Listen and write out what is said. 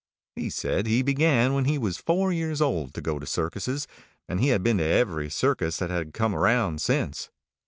He said he began when he was four years old to go to circuses, and he had been to every circus that had come around since.